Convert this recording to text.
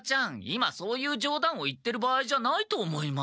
今そういうじょう談を言ってる場合じゃないと思います。